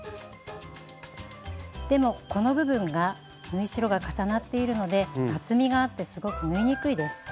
でもこの部分が縫い代が重なっているので厚みがあってすごく縫いにくいです。